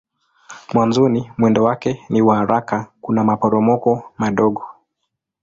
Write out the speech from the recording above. Mwanzoni mwendo wake ni wa haraka kuna maporomoko madogo.